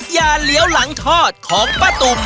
อย่าเหลียวหลังทอดของป้าตุ๋ม